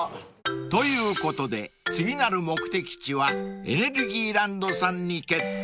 ［ということで次なる目的地はエネルギーランドさんに決定］